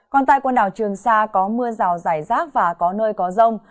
còn tại quần đảo trường sa có mưa rào rải rác và có nơi có rông